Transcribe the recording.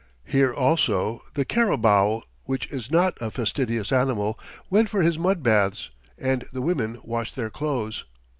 Here, also, the carabao, which is not a fastidious animal, went for his mud baths, and the women washed their clothes.